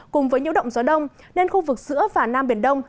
cùng với nhiễu động gió đông nên khu vực giữa và nam biển đông